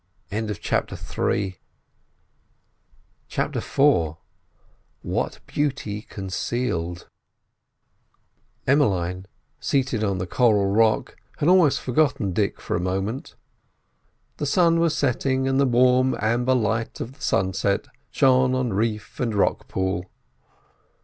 CHAPTER IV WHAT BEAUTY CONCEALED Emmeline, seated on the coral rock, had almost forgotten Dick for a moment. The sun was setting, and the warm amber light of the sunset shone on reef and rock pool.